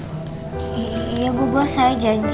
janji ya jangan sampai ada yang tau